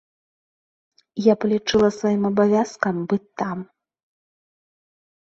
Я палічыла сваім абавязкам быць там.